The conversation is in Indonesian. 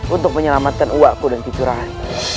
untuk menyelamatkan uakku dan kecurangan